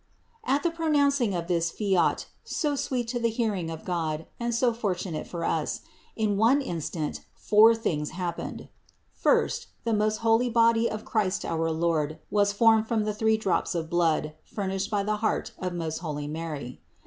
At the pronouncing of this "fiat," so sweet to the hearing of God and so fortunate for us, in one in stant, four things happened. First, the most holy body of Christ our Lord was formed from the three drops of THE INCARNATION 111 blood furnished by the heart of most holy Mary.